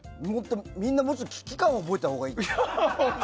みんな、もっと危機感を覚えたほうがいいよ。